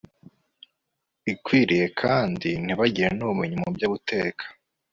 ikwiriye kandi ntibagire nubumenyi mu byoguteka